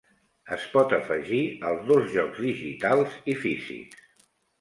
Es pot afegir als dos jocs digitals i físics.